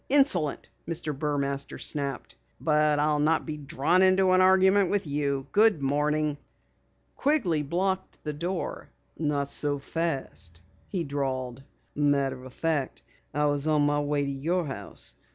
Insolent!" Mr. Burmaster snapped. "But I'll not be drawn into an argument with you. Good morning!" Quigley blocked the door. "Not so fast," he drawled. "Matter of fact, I was on my way to your house.